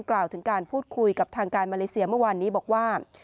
กล่าวถึงการพูดคุยกับทางการมาเลเซียเมื่อวานนี้บอกว่า